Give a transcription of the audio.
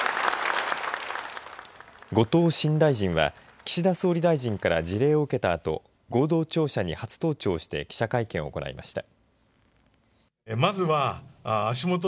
後藤新大臣は岸田総理大臣から辞令を受けたあと合同庁舎に初登庁して記者会見を行いました。